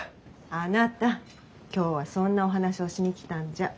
あなた今日はそんなお話をしに来たんじゃ。